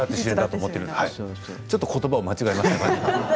ちょっとことばを間違えました。